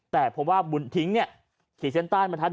แต่เพราะว่าวนทิ้งเนี่ย